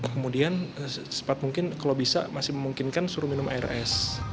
kemudian secepat mungkin kalau bisa masih memungkinkan suruh minum air es